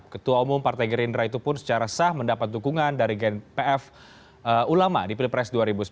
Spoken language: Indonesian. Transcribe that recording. ketua umum partai gerindra itu pun secara sah mendapat dukungan dari gnpf ulama di pilpres dua ribu sembilan belas